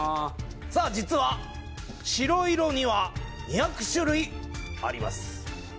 実は白色には２００類あります。